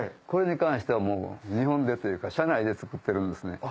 これに関しては日本でというか社内で作ってるんですね。